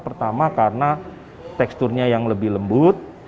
pertama karena teksturnya yang lebih lembut